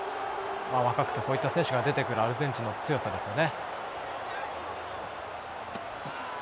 若くてこういった選手が出てくるアルゼンチンの強さですよね。